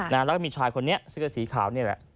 แล้วก็มีชายคนนี้เสื้อสีขาวนี่แหละ